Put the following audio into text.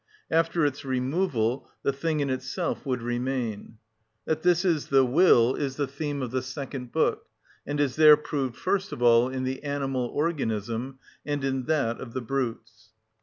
After its removal the thing in itself would remain. That this is the will is the theme of the second book, and is there proved first of all in the human organism and in that of the brutes.